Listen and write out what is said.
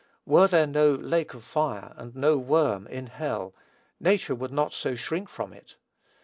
Were there no "lake of fire," and no "worm" in hell, nature would not so shrink from it.